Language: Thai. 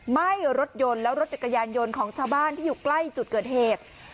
ไหม้รถยนต์แล้วรถจักรยานยนต์ของชาวบ้านที่อยู่ใกล้จุดเกิดเหตุ